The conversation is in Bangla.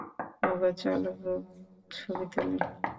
ওগো, চলো গ্রুপ ছবি তুলি।